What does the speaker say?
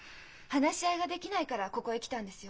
話し合いができないからここへ来たんですよ。